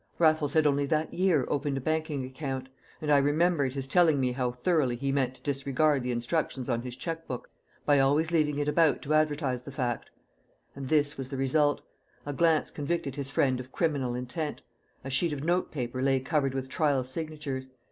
Raffles had only that year opened a banking account, and I remembered his telling me how thoroughly he meant to disregard the instructions on his cheque book by always leaving it about to advertise the fact. And this was the result. A glance convicted his friend of criminal intent: a sheet of notepaper lay covered with trial signatures.